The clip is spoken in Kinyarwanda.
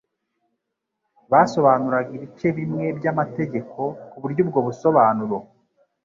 basobanuraga ibice bimwe by'amategeko ku buryo ubwo busobanuro